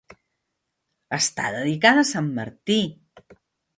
Està dedicada a sant Martí.